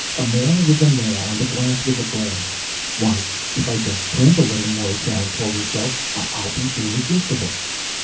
A male was a male, and a glance was a glance. Why, if I just primp a little more, Sally told herself, I'll be irresistible.